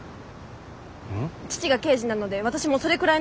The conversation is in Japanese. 父が刑事なので私もそれくらいのことは。